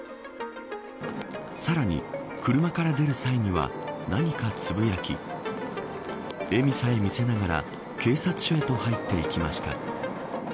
さらに車から出る際には何かつぶやき笑みさえ見せながら警察署へと入っていきました。